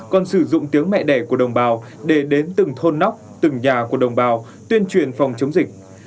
còn sử dụng tiếng mẹ đẻ của đồng bào để đến từng thôn nóc từng nhà của đồng bào tuyên truyền phòng chống dịch